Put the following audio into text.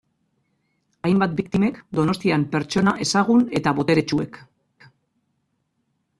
Hainbat biktimek Donostian pertsona ezagun eta boteretsuek.